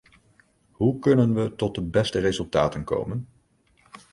Hoe kunnen we tot de beste resultaten komen?